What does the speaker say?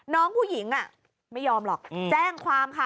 น้องผู้หญิงไม่ยอมหรอกแจ้งความค่ะ